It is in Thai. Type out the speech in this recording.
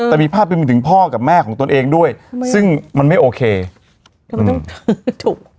แต่มีภาพไปถึงพ่อกับแม่ของตนเองด้วยซึ่งมันไม่โอเคอืมถูก